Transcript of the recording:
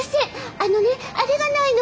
あのねあれがないの。